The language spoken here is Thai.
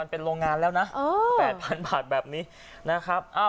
เป็นโรงงานแล้วนะ๘๐๐๐บาทแบบนี้นะครับ